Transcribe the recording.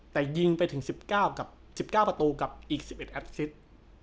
แต่ยิงไปถึง๑๙ประตูกับอีก๑๑อัพศิษย์